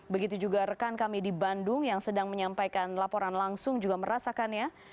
begitu juga rekan kami di bandung yang sedang menyampaikan laporan langsung juga merasakannya